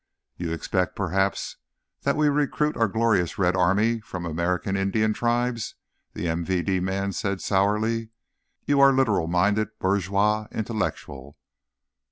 "You expect, perhaps, that we recruit our glorious Red Army from American Indian tribes?" the MVD man said sourly. "You are literal minded bourgeois intellectual.